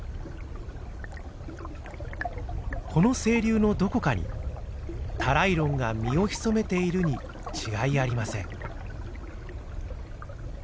この清流のどこかにタライロンが身を潜めているに違いありません。